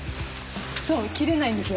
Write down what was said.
そう切れないんですよ。